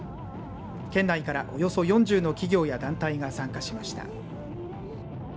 県内からおよそ４０の企業や団体が参加しました。